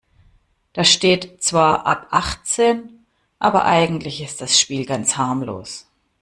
Da steht zwar ab achtzehn, aber eigentlich ist das Spiel ganz harmlos.